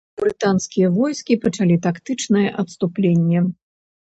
Брытанскія войскі пачалі тактычнае адступленне.